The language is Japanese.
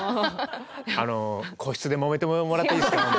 あの個室でもめてもらっていいですか。